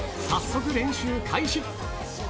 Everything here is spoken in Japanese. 早速練習開始。